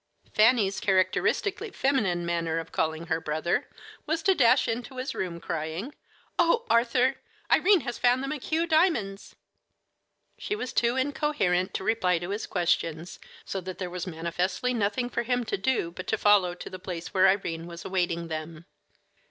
Fanny's characteristically feminine manner of calling her brother was to dash into his room, crying: "Oh, Arthur, Irene has found the McHugh diamonds!" She was too incoherent to reply to his questions, so that there was manifestly nothing for him to do but to follow to the place where Irene was awaiting them.